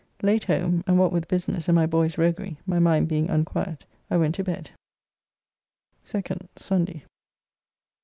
Late home, and what with business and my boy's roguery my mind being unquiet, I went to bed. 2nd (Sunday).